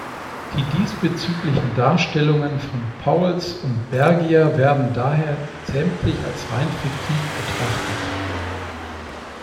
Die diesbezüglichen Darstellungen von Pauwels und Bergier werden daher sämtlich als rein fiktiv betrachtet.